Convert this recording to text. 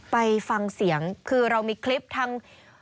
ไปฟังเสียงคือเรามีคลิปทั้ง